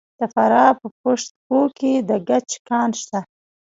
د فراه په پشت کوه کې د ګچ کان شته.